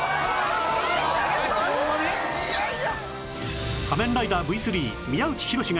いやいや！